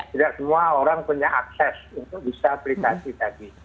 tidak semua orang punya akses untuk bisa aplikasi tadi